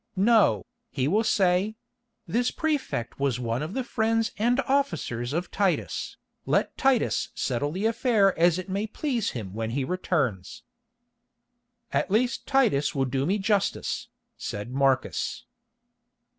No, he will say—this prefect was one of the friends and officers of Titus, let Titus settle the affair as it may please him when he returns." "At least Titus will do me justice," said Marcus.